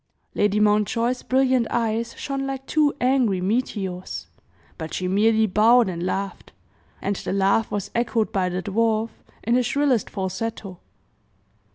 Lady Mountjoy's brilliant eyes shone like two angry meteors; but she merely bowed and laughed; and the laugh was echoed by the dwarf in his shrillest falsetto.